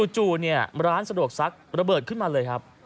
จู่ร้านสะดวกซักระเบิดขึ้นมาเลยครับ